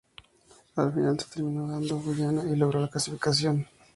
Al final, se terminó dando y Guyana logró la clasificación.